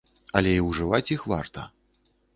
Але і ўжываць іх варта.